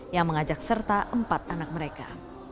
yang mengajak serta empat anak mereka